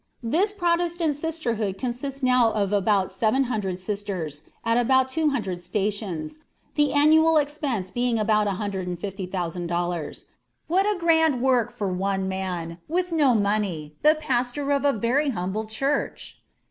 This Protestant sisterhood consists now of about seven hundred sisters, at about two hundred stations, the annual expense being about $150,000. What a grand work for one man, with no money, the pastor of a very humble church!